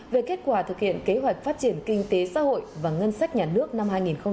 về kết quả thực hiện kế hoạch phát triển kinh tế xã hội và ngân sách nhà nước năm hai nghìn một mươi chín